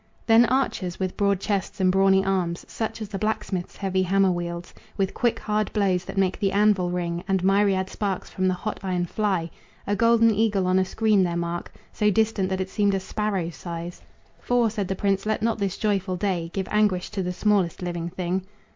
Then archers, with broad chests and brawny arms Such as the blacksmith's heavy hammer wields With quick, hard blows that make the anvil ring And myriad sparks from the hot iron fly; A golden eagle on a screen their mark, So distant that it seemed a sparrow's size "For," said the prince, "let not this joyful day Give anguish to the smallest living thing."